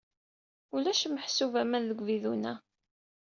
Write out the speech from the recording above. Ulac meḥsub aman deg ubidun-a.